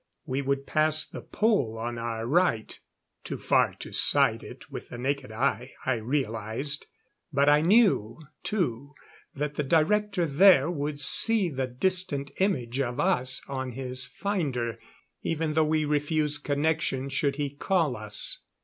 We would pass the Pole on our right too far to sight it with the naked eye, I realized; but I knew, too, that the Director there would see the distant image of us on his finder, even though we refused connection should he call us.